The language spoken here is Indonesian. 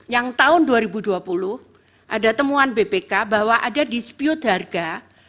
yang tahun dua ribu dua puluh ada temuan bpk bahwa ada dispute harga